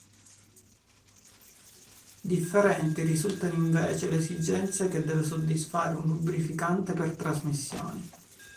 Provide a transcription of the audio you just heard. Differenti risultano invece le esigenze che deve soddisfare un lubrificante per trasmissioni.